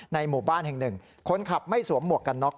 หมู่บ้านแห่งหนึ่งคนขับไม่สวมหมวกกันน็อก